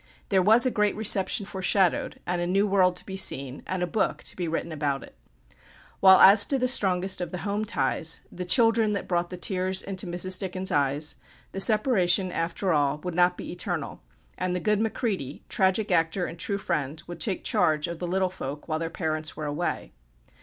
There was a great reception foreshadowed, and a new world to be seen, and a book to be written about it. While as to the strongest of the home ties the children that brought the tears into Mrs. Dickens' eyes, the separation, after all, would not be eternal, and the good Macready, tragic actor and true friend, would take charge of the little folk while their parents were away.